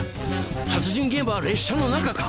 殺人現場は列車の中か！